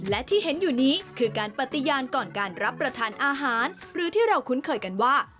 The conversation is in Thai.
และที่เห็นอยู่นี้คือการปฏิญาณก่อนการรับประทานอาหารหรือที่เราคุ้นเคยกันว่า